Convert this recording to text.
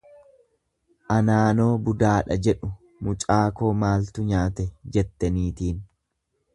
Anaanoo budaadha jedhu, mucaa koo maaltu nyaate? jette niitiin.